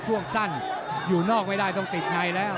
ช่วงสั้นอยู่นอกไม่ได้ต้องติดในแล้ว